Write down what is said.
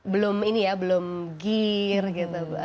belum ini ya belum gear gitu